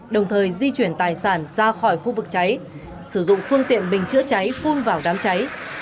đồng thời di chuyển tài sản ra khỏi khu vực cháy sử dụng phương tiện bình chữa cháy phun vào đám cháy